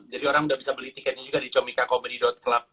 jadi orang udah bisa beli tiketnya juga di comikacomedy club